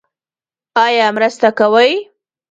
ایا مرسته کوئ؟